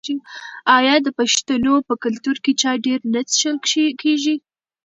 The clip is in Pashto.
آیا د پښتنو په کلتور کې چای ډیر نه څښل کیږي؟